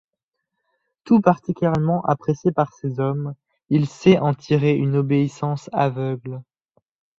Tout particulièrement apprécié par ses hommes, il sait en tirer une obéissance aveugle.